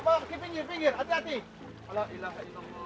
yang lain urus bayarnya itu